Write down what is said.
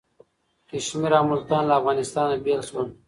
کشمیر او ملتان له افغانستان نه بیل شول.